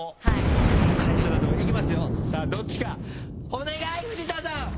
お願い藤田さん！